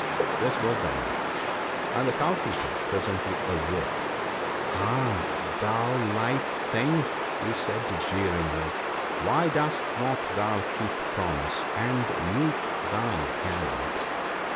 , This was done, and the Cow keeper presently awoke. * Ah ! thou light thing !' he said jeeringly, 'why dost not thou keep promise, and meet thy gallant